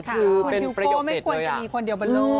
คุณฮิวโก้ไม่ควรจะมีคนเดียวบนโลก